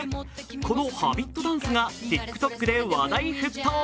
この「Ｈａｂｉｔ」ダンスがＴｉｋＴｏｋで話題沸騰。